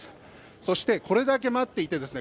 そしてこれだけ待っていてですね